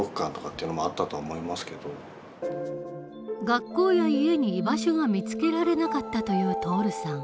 学校や家に居場所が見つけられなかったという徹さん。